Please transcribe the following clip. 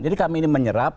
jadi kami ini menyerap